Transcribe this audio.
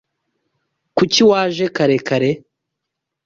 Kuki waje kare kare?